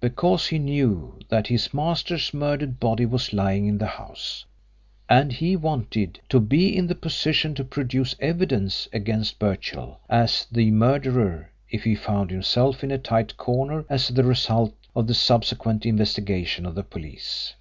Because he knew that his master's murdered body was lying in the house, and he wanted to be in the position to produce evidence against Birchill as the murderer if he found himself in a tight corner as the result of the subsequent investigations of the police.